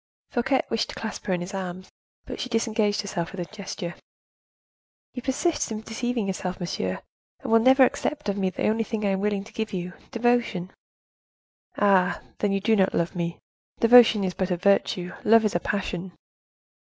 Fouquet wished to clasp her in his arms, but she disengaged herself with a gesture. "You persist in deceiving yourself, monsieur, and will never accept of me the only thing I am willing to give you—devotion." "Ah, then, you do not love me? Devotion is but a virtue, love is a passion."